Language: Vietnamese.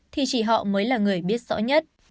thì chỉ họ mới là người biết rõ nhất